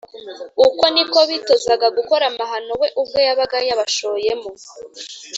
uko ni ko bitozaga gukora amahano we ubwe yabaga yabashoyemo